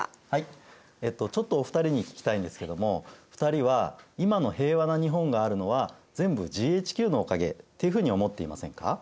はいちょっとお二人に聞きたいんですけども２人は今の平和な日本があるのは全部ＧＨＱのおかげっていうふうに思っていませんか？